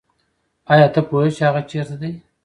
آیا ته پوهېږې چې هغه چېرته دی؟